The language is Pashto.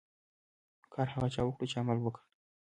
کار هغه چا وکړو، چا چي عمل وکړ.